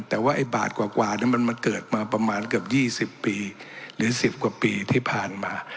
แต่ว่าไอ้บาทกว่านั้นมันเกิดมาประมาณเกือบ๒๐ปีหรือ๑๐กว่าปีที่ผ่านมา